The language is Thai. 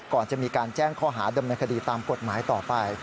ก่อนจะมีการแจ้งข้อหาดำเนินคดีตามกฎหมายต่อไป